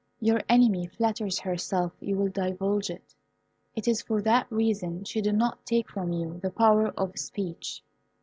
Your enemy flatters herself you will divulge it; it is for that reason she did not take from you the power of speech."